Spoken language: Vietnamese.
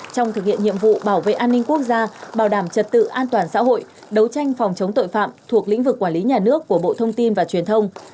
trong thực hiện nhiệm vụ bảo vệ an ninh quốc gia bảo đảm trật tự an toàn xã hội đấu tranh phòng chống tội phạm thuộc lĩnh vực quản lý nhà nước của bộ thông tin và truyền thông